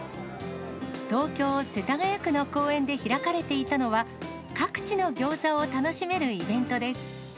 東京・世田谷区の公園で開かれていたのは、各地のギョーザを楽しめるイベントです。